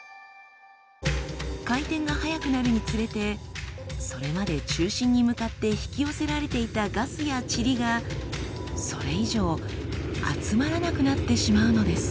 回転が速くなるにつれてそれまで中心に向かって引き寄せられていたガスや塵がそれ以上集まらなくなってしまうのです。